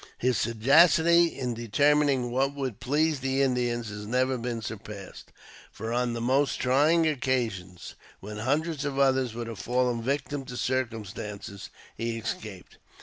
His sagacity in determining what would please the Indians has never been surpassed ; for on the most trying occasions, where hundreds of others would have fallen victims to circumstances, he escaped.